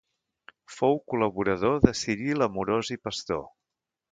Fou col·laborador de Ciril Amorós i Pastor.